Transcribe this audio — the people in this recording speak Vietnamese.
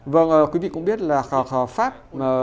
vâng quý vị cũng biết là pháp